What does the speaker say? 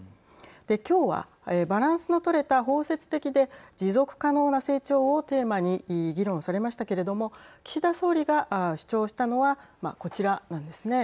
今日はバランスの取れた包摂的で持続可能な成長をテーマに議論されましたけれども岸田総理が主張したのはこちらなんですね。